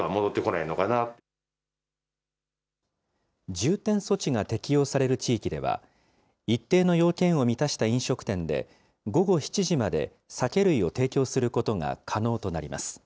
重点措置が適用される地域では、一定の要件を満たした飲食店で、午後７時まで酒類を提供することが可能となります。